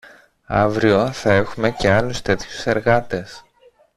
Αύριο θα έχουμε και άλλους τέτοιους εργάτες